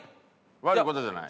悪い事じゃない。